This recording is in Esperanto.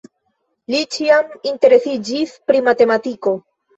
Li ĉiam interesiĝis pri matematiko.